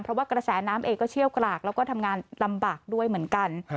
เพราะว่ากระแสน้ำเองก็เชี่ยวกรากแล้วก็ทำงานลำบากด้วยเหมือนกัน